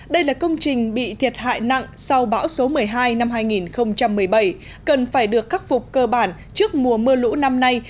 đây là công trình bị thiệt hại nặng sau bão số một mươi hai năm hai nghìn một mươi bảy cần phải được khắc phục cơ bản trước mùa mưa lũ năm nay